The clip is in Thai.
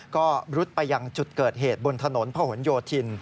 ก็รุดไปยังจุดเกิดเหตุบนถนนพระหลโยธิน